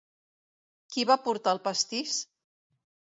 Qui va portar el pastís?